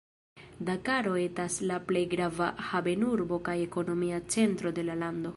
Dakaro etas la plej grava havenurbo kaj ekonomia centro de la lando.